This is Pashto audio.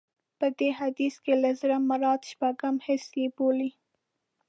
په دې حديث کې له زړه مراد شپږم حس يې بولي.